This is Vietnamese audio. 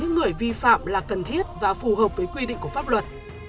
người vi phạm là cần thiết và phù hợp với quy định của pháp luật